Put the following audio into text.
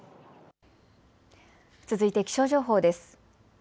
続いて気象情報です。